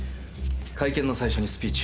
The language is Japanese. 会見の最初にスピーチを。